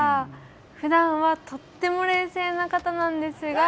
ふだんは、とっても冷静な方なんですが。